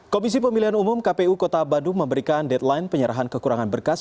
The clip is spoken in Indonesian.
komisi pemilihan umum kpu kota bandung memberikan deadline penyerahan kekurangan berkas